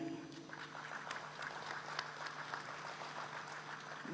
bahkan dalam merilis data johns hopkins university terkait penanganan covid sembilan belas